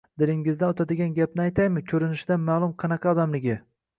Dilingizdan o`tadigan gapni aytaymi Ko`rinishidan ma`lum qanaqa odamligi